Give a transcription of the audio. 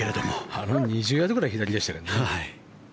あの２０ヤードぐらい左でしたよね。